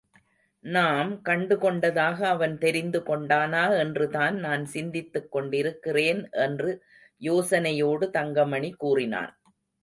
நாம் கண்டுகொண்டதாக அவன் தெரிந்துகொண்டானா என்று தான் நான் சிந்தித்துக்கொண்டிருக்கிறேன் என்று யோசனையோடு தங்கமணி கூறினான்.